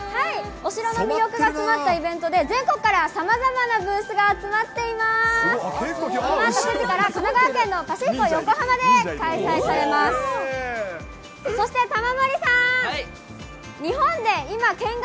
お城の魅力が詰まったイベントで、全国からさまざまなブースが集ま結構。